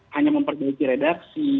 hanya memperbaiki redaksi